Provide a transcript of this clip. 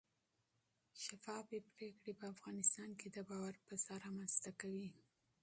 شفافې پرېکړې په افغانستان کې د باور فضا رامنځته کوي